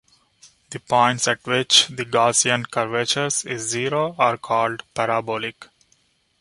The points at which the Gaussian curvature is zero are called "parabolic".